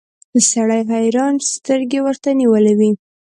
سړي حيرانې سترګې ورته نيولې وې.